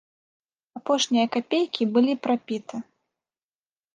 Апошнія капейкі былі прапіты.